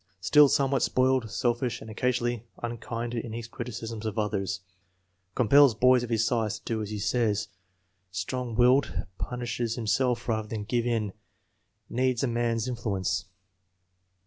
" Still somewhat spoiled, selfish and occasionally unkind in his criticisms of others. Com pels boys of his size to do as he says. Strong willed. Punishes himself rather than give in. Needs a man's influence."